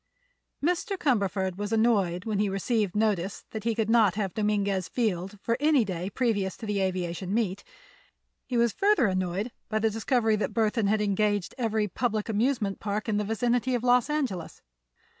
Mr. Cumberford was annoyed when he received notice that he could not have Dominguez Field for any day previous to the aviation meet. He was further annoyed by the discovery that Burthon had engaged every public amusement park in the vicinity of Los Angeles.